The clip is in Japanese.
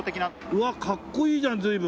うわっかっこいいじゃん随分。